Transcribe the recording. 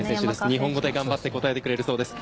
日本語で頑張って答えてくれるそうです。